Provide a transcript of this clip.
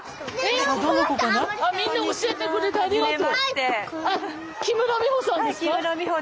みんな教えてくれてありがとう。